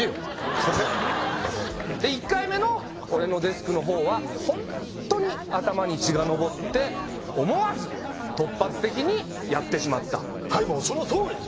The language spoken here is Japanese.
すいませんで１回目の俺のデスクの方はホントに頭に血が上って思わず突発的にやってしまったはいもうそのとおりです